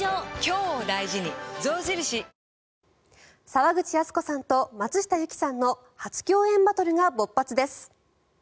沢口靖子さんと松下由樹さんの初共演バトルが勃発です。